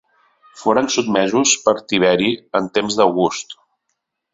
Foren sotmesos per Tiberi en temps d'August.